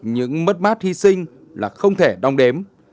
những mất mát hy sinh là không thể đong đếm